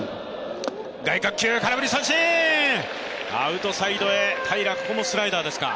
アウトサイドへ、平良ここもスライダーですか。